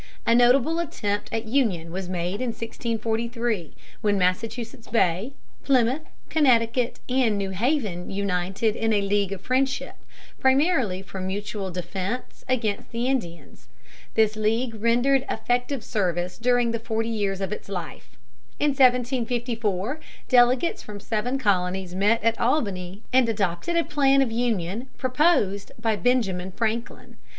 A notable attempt at union was made in 1643, when Massachusetts Bay, Plymouth, Connecticut, and New Haven united in a league of friendship, primarily for mutual defense against the Indians. This league rendered effective service during the forty years of its life. In 1754 delegates from seven colonies met at Albany and adopted a plan of union proposed by Benjamin Franklin.